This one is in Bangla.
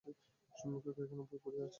সম্মুখে আরো কয়খানা বই পড়িয়া আছে।